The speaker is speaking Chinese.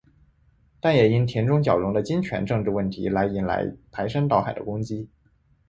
但也因田中角荣的金权政治问题来引来排山倒海的攻击。